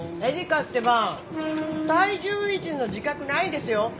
えりかってば体重維持の自覚ないんですよ。